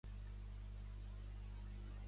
El Juli està nerviós.